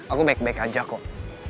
aku baik baik aja kok